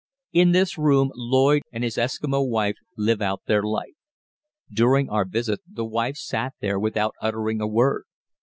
In this room Lloyd and his Eskimo wife live out their life. During our visit the wife sat there without uttering a word.